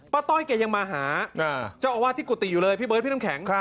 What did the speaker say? ต้อยแกยังมาหาเจ้าอาวาสที่กุฏิอยู่เลยพี่เบิร์ดพี่น้ำแข็ง